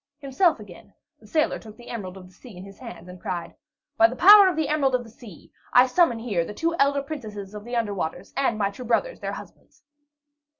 Himself again, the sailor took the Emerald of the Sea in his hands, and cried, "By the power of the Emerald of the Sea, I summon here the two elder princesses of the under waters, and my two brothers, their husbands!"